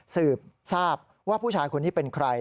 สืบทราบว่าผู้ชายคนนี้เป็นใคร